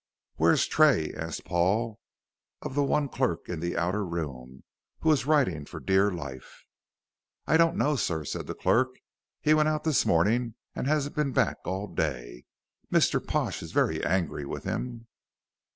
"Where's Tray?" asked Paul, of the one clerk in the outer room, who was writing for dear life. "I don't know, sir," said the clerk; "he went out this morning and hasn't been back all day. Mr. Pash is very angry with him."